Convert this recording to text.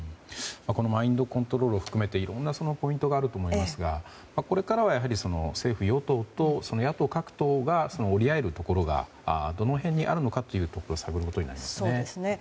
マインドコントロールを含めていろんなポイントがあると思いますが、これからは政府・与党と野党各党が折り合えるところがどの辺にあるのかを探ることになりますね。